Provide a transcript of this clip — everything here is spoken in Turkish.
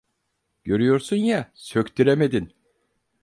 Görüyorsun ya, söktüremedin.